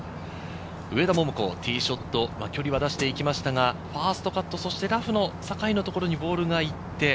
上田桃子、ティーショット、距離は出していきましたが、ファーストカット、そしてラフの境のところにボールがいって。